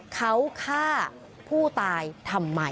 เขาฆ่าผู้ตายทำไม